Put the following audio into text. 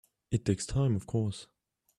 It takes time of course.